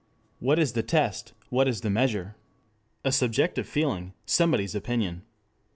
What is the test, what is the measure? A subjective feeling, somebody's opinion.